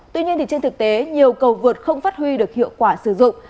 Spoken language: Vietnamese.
tuy nhiên trên thực tế nhiều cầu vượt không phát huy được hiệu quả sử dụng